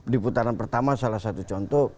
di putaran pertama salah satu contoh